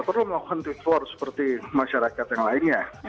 perlu melakukan reflower seperti masyarakat yang lainnya